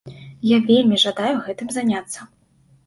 Я вельмі жадаю гэтым заняцца.